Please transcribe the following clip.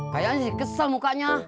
kayaknya sih kesel mukanya